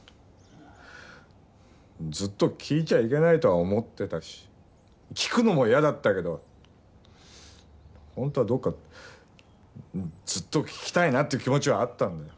ずっと聞いちゃいけないとは思ってたし聞くのも嫌だったけど本当はどこかずっと聞きたいなって気持ちはあったんだよ。